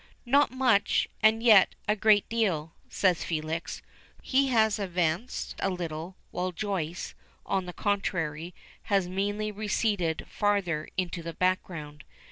"Not much, and yet a great deal," says Felix. He has advanced a little, while Joyce, on the contrary, has meanly receded farther into the background.